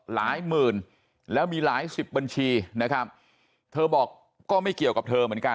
หมื่นแล้วมีหลายสิบบัญชีนะครับเธอบอกก็ไม่เกี่ยวกับเธอเหมือนกัน